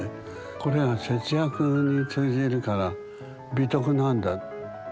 これが節約に通じるから美徳なんだと。